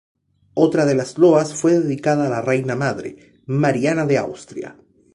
Otra de las loas fue dedicada a la reina madre, Mariana de Austria.